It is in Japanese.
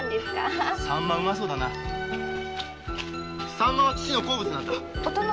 サンマは父の好物なんだ。